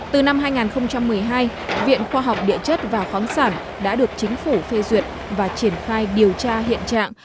từ năm hai nghìn một mươi hai viện khoa học địa chất và khoáng sản đã được chính phủ phê duyệt và triển khai điều tra hiện trạng